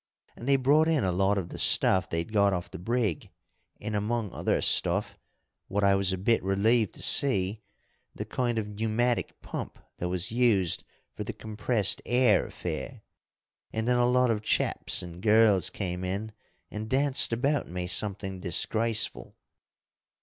And they brought in a lot of the stuff they'd got off the brig and, among other stuff, what I was a bit relieved to see, the kind of pneumatic pump that was used for the compressed air affair, and then a lot of chaps and girls came in and danced about me something disgraceful.